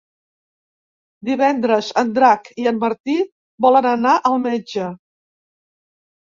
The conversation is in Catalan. Divendres en Drac i en Martí volen anar al metge.